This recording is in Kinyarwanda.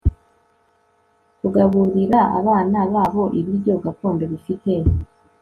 kugaburira abana babo ibiryo gakondo bifite